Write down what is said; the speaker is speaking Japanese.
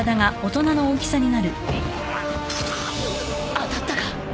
当たったか！？